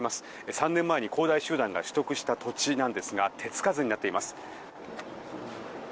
３年前に恒大集団が取得した土地なんですが手つかずになっています。